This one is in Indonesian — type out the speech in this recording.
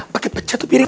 paket pecah tuh piring